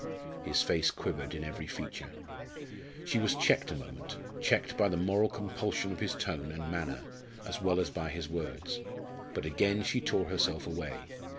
His face quivered in every feature. She was checked a moment checked by the moral compulsion of his tone and manner, as well as by his words. But again she tore herself away.